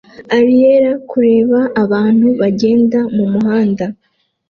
Ariel kureba abantu bagenda mumuhanda